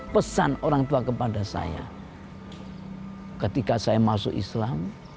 pesan orang tua kepada saya ketika saya masuk islam